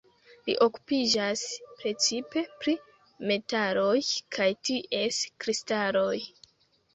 Li okupiĝas precipe pri metaloj kaj ties kristaloj.